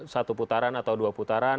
satu putaran atau dua putaran